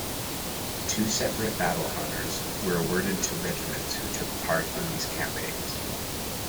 Two separate battle honours were awarded to regiments who took part in these campaigns.